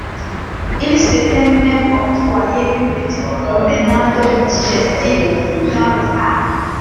Ils s’étaient même octroyé une petite promenade digestive dans le parc.